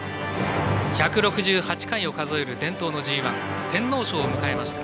１６８回を数える伝統のＧＩ天皇賞を迎えました。